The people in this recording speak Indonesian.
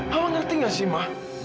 aku ngerti gak sih ma